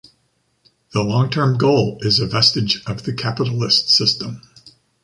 The long-term goal is a vestige of the capitalist system.